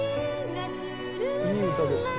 いい歌ですね。